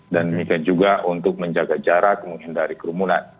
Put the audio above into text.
demikian juga untuk menjaga jarak menghindari kerumunan